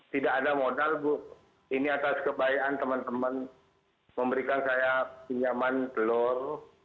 tidak ada modal bu ini atas kebayaan teman teman memberikan saya pinjaman telur